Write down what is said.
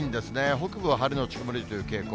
北部は晴れ後曇りという傾向。